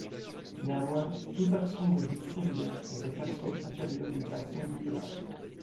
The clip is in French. Néanmoins, tout taxon de vie cellulaire est un taxon inférieur du taxon Biota.